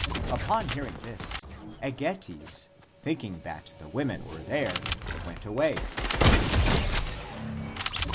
Upon hearing this, Egetes, thinking that the women were there, went away.